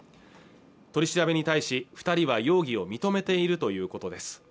取り調べに対し二人は容疑を認めているということです